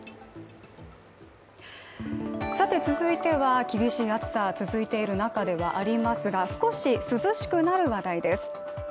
続いては、厳しい暑さ続いている中ではありますが少し涼しくなる話題です。